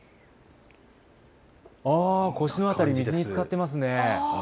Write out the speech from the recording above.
腰の辺り、水につかっていますね。